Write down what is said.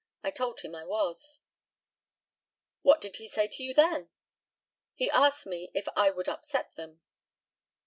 I told him I was. What did he say to you then? He asked me if I would upset them.